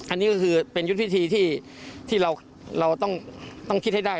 อันนี้ก็คือเป็นยุทธวิธีที่เราต้องคิดให้ได้